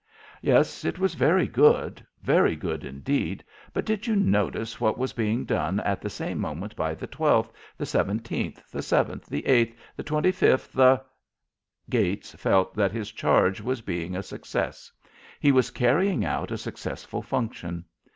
Yes, it was very good, very good indeed, but did you notice what was being done at the same moment by the 12th, the 17th, the 7th, the 8th, the 25th, the Gates felt that his charge was being a success. He was carrying out a successful function.